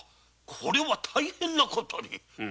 これは大変な事に！